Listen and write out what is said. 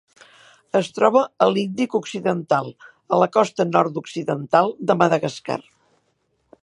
Es troba a l'Índic occidental: la costa nord-occidental de Madagascar.